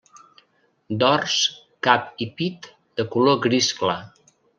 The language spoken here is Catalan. Dors, cap i pit de color gris clar.